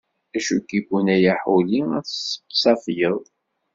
Acu k-iwwin a yaḥuli ad tettafgeḍ!